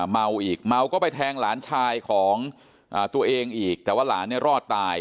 เมาอีกเมาก็ไปแทงหลานชายของตัวเองอีกแต่ว่าหลานเนี่ยรอดตาย